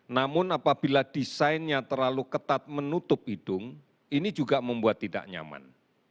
namun apabila desainnya terlalu ketat menutup hidung ini juga membuat tidak nyaman